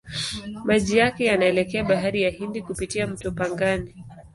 Maji yake yanaelekea Bahari ya Hindi kupitia mto Pangani.